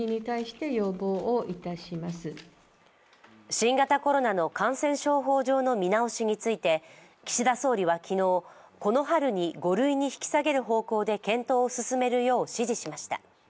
新型コロナの感染症法上の見直しについて岸田総理は昨日、この春に５類に引き下げる方向で検討を進めるよう指示しました。